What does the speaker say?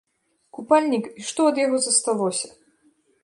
Купальнік і што ад яго засталося!